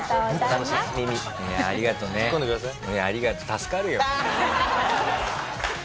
助かるよ。